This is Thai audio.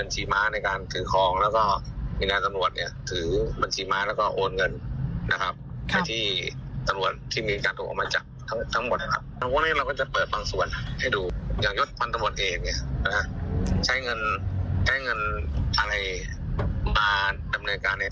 ใช้เงินทางให้มาทำเนื้อการ๑๕ทีละงงละ๒๐ล้านบาทอย่างนี้